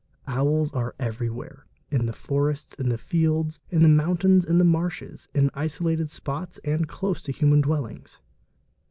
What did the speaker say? Owls are everywhere, in the forests, in the fields, in the mountains, in the marshes, in isolated spots and close to human dwellings.